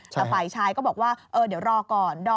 แต่ฝ่ายชายก็บอกว่าเดี๋ยวรอก่อน